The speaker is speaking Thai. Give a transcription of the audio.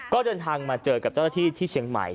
ก็เดินทางมาเจอกับเจ้าหน้าที่ที่เชียงใหม่